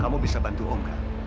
kamu bisa bantu om